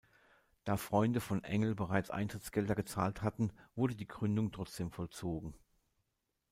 Da Freunde von Engel bereits Eintrittsgelder gezahlt hatten wurde die Gründung trotzdem vollzogen.